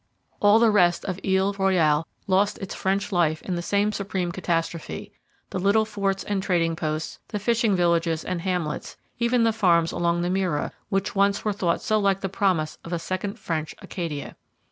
All the rest of Ile Royale lost its French life in the same supreme catastrophe the little forts and trading posts, the fishing villages and hamlets; even the farms along the Mira, which once were thought so like the promise of a second French Acadia.